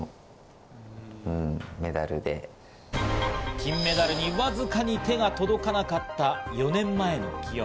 金メダルにわずかに手が届かなかった４年前の記憶。